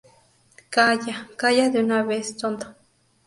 ¡ Calla! ¡ calla de una vez, tonto!